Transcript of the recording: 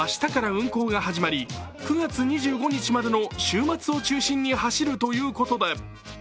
明日から運行が始まり９月２５日までの週末を中心に走るということです